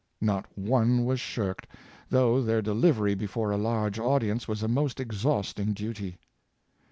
Not one was shirked, though their delivery before a large audience was a most exhausting duty.